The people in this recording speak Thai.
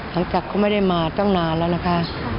หลังจากเขาไม่ได้มาตั้งนานแล้วนะคะ